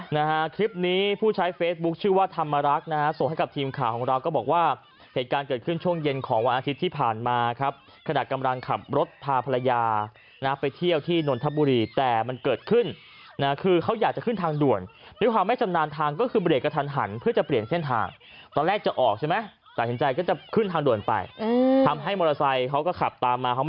นะฮะคลิปนี้ผู้ใช้เฟสบุ๊คชื่อว่าธรรมรักนะฮะส่งให้กับทีมข่าวของเราก็บอกว่าเหตุการณ์เกิดขึ้นช่วงเย็นของวันอาทิตย์ที่ผ่านมาครับขนาดกำลังขับรถพาภรรยานะฮะไปเที่ยวที่นทบุรีแต่มันเกิดขึ้นนะฮะคือเขาอยากจะขึ้นทางด่วนหรือว่าไม่สำนาญทางก็คือเบรกกับทัน